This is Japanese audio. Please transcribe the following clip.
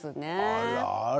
あらあら。